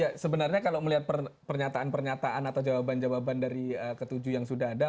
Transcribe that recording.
ya sebenarnya kalau melihat pernyataan pernyataan atau jawaban jawaban dari ketujuh yang sudah ada